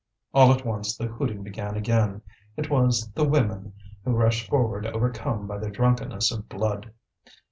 All at once the hooting began again. It was the women, who rushed forward overcome by the drunkenness of blood.